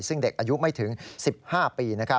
ซึ่งเด็กอายุไม่ถึง๑๕ปี